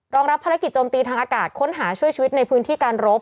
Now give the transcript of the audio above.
รับภารกิจโจมตีทางอากาศค้นหาช่วยชีวิตในพื้นที่การรบ